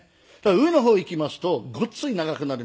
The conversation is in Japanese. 上の方いきますとごっつい長くなるんですよ。